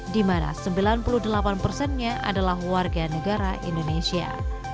di mana sembilan puluh delapan persennya adalah warga negara indonesia